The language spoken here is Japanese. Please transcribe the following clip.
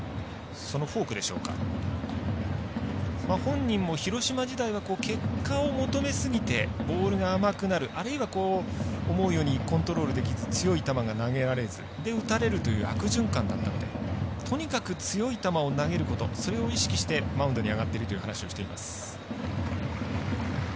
本人も広島時代は結果を求めすぎてボールが甘くなる、あるいは思うようにコントロールできず強い球が投げられず打たれるという悪循環だったのでとにかく強い球を投げることそれを意識してマウンドに上がっているという話をしています。